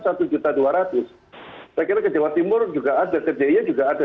saya kira ke jawa timur juga ada ke jia juga ada